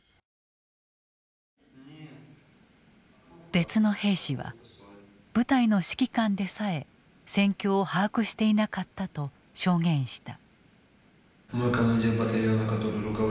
別の兵士は部隊の指揮官でさえ戦況を把握していなかったと証言した。